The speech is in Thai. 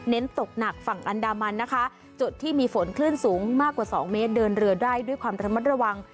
ตกหนักฝั่งอันดามันนะคะจุดที่มีฝนคลื่นสูงมากกว่าสองเมตรเดินเรือได้ด้วยความระมัดระวัง